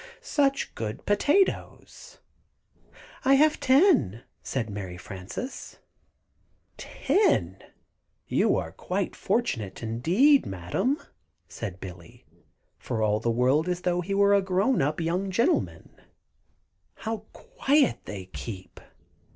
"Such good potatoes!" "I have ten," said Mary Frances. [Illustration: "Let's give it to Jubey."] "Ten! You are fortunate, indeed, Madam," said Billy, for all the world as though he were a grown up young gentleman. "How quiet they keep."